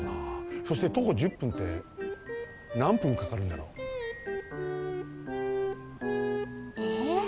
そして徒歩１０分ってなん分かかるんだろう？えっ？